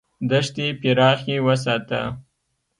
دښتې پراخې وساته.